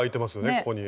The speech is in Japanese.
ここに。